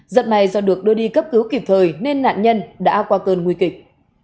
giật này do được đưa đi cấp cứu kịp thời nên nạn nhân đã qua cơn nguy kịch